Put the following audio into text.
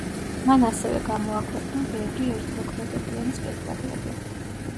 მან ასევე გამოაქვეყნა ბევრი ერთმოქმედებიანი სპექტაკლები.